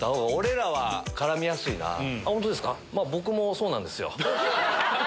僕もそうなんですよ。